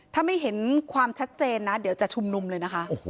ถ้าไม่เห็นความชัดเจนนะเดี๋ยวจะชุมนุมเลยนะคะ